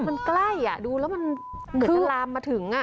มันใกล้ดูแล้วมันเหมือนจะลามมาถึง